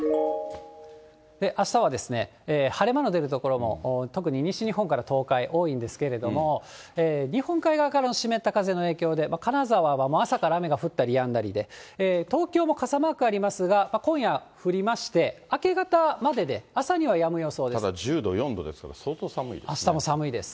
あしたは晴れ間の出る所も、特に西日本から東海、多いんですけれども、日本海側からの湿った風の影響で、金沢は朝から雨が降ったりやんだりで、東京も傘マークありますが、今夜、降りまして、明け方までで、ただ１０度、４度ですから、あしたも寒いです。